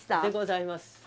でございます。